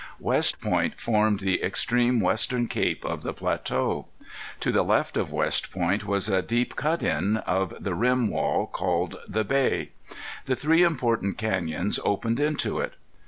West Point formed the extreme western cape of the plateau. To the left of West Point was a deep cut in of the rim wall, called the Bay. The three important canyons opened into it.